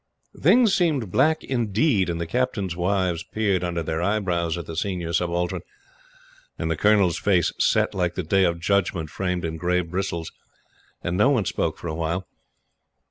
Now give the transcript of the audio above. Things seemed black indeed, and the Captains' wives peered under their eyebrows at the Senior Subaltern, and the Colonel's face set like the Day of Judgment framed in gray bristles, and no one spoke for a while.